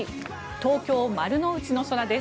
東京・丸の内の空です。